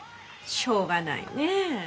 しょうがないねえ